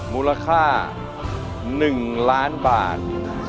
มูลค่า๑ล้านบาท